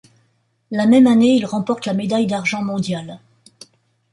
La même année il remporte la médaille d'argent mondiale.